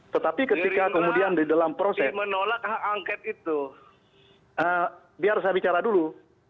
tetapi ketika kemudian di dalam proses biar saya bicara dulu